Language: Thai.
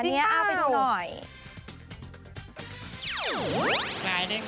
ที่เปิดก็แบบนี้เอานี่ทีน้อยแต่นี่น้อย